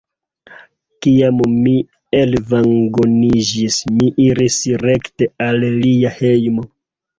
Kiam mi elvagoniĝis, mi iris rekte al lia hejmo.